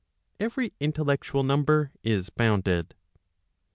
Every intellectual number is bounded.